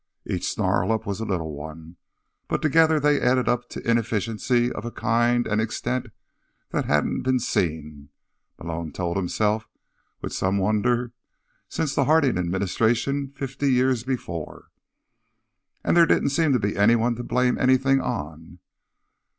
Each snarl up was a little one. But, together, they added up to inefficiency of a kind and extent that hadn't been seen, Malone told himself with some wonder, since the Harding administration fifty years before. And there didn't seem to be anyone to blame anything on.